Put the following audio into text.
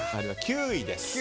９位です。